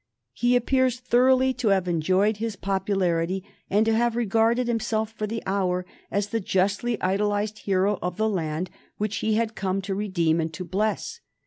He appears thoroughly to have enjoyed his popularity, and to have regarded himself, for the hour, as the justly idolized hero of the land which he had come to redeem and to bless.